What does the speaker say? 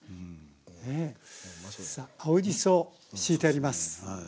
青じそ敷いてあります。